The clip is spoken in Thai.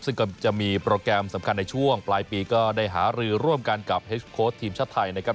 ซึ่งก็จะมีโปรแกรมสำคัญในช่วงปลายปีก็ได้หารือร่วมกันกับเฮสโค้ดทีมชาติไทยนะครับ